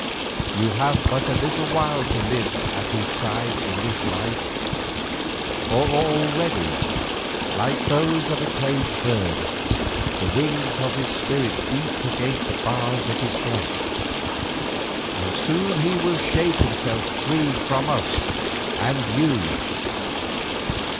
You have but a little while to live at his side in this life, for already, like those of a caged bird, the wings of his spirit beat against the bars of the flesh, and soon he will shake himself free from us and you.